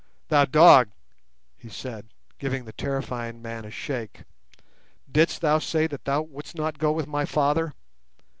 "Thou dog!" he said, giving the terrified man a shake, "didst thou say that thou wouldst not go with my Father?